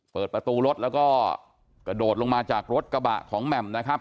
เปิดประตูรถแล้วก็กระโดดลงมาจากรถกระบะของแหม่มนะครับ